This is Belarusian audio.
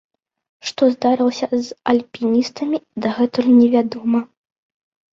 Што здарылася з альпіністамі, дагэтуль невядома.